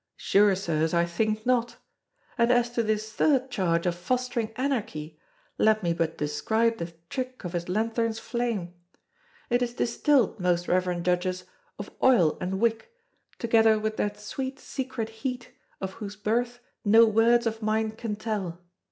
Sure, Sirs, I think not. And as to this third charge of fostering anarchy let me but describe the trick of this lanthorn's flame. It is distilled, most reverend Judges, of oil and wick, together with that sweet secret heat of whose birth no words of mine can tell.